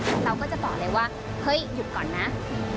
เราก็จะต่อเลยว่าเฮ้ยหยุดก่อนนะ